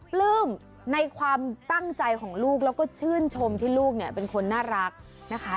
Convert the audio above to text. ปลื้มในความตั้งใจของลูกแล้วก็ชื่นชมที่ลูกเนี่ยเป็นคนน่ารักนะคะ